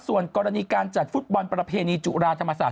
ส่วนกรณีการจัดฟุตบอลประเพณีจุฬาธรรมศาสต